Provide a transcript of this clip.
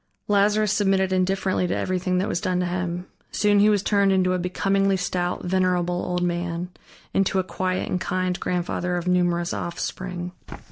Lazarus submitted indifferently to everything that was done to him. Soon he was turned into a becomingly stout, venerable old man, into a quiet and kind grandfather of numerous offspring.